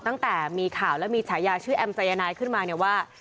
ตั้งแต่มีข่าวแล้วมีฉายาชื่อแอมสายนายขึ้นมาเนี่ยว่า